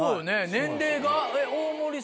年齢が。